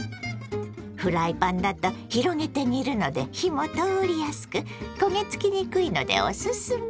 フライパンだと広げて煮るので火も通りやすく焦げ付きにくいのでオススメ。